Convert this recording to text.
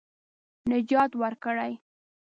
نجات ورکړي.